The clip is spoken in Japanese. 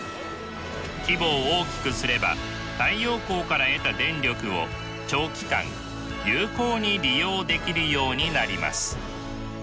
規模を大きくすれば太陽光から得た電力を長期間有効に利用できるようになります。